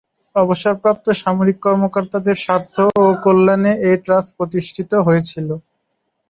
অবসরপ্রাপ্ত সামরিক কর্মকর্তাদের স্বার্থ ও কল্যাণে এ ট্রাস্ট প্রতিষ্ঠিত হয়েছিল।